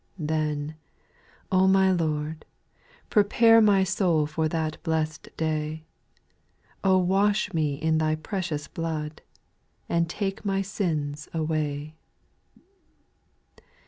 Then, my Lord, prepare My soul for that blest day ; O wash me in Tliy precious blood, And take my sins away.